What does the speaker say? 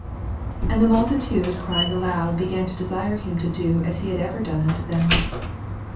8 And the multitude crying aloud began to desire him to do as ne had ever done unto them.